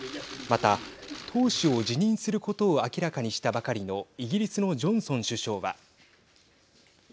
また、党首を辞任することを明らかにしたばかりのイギリスのジョンソン首相は。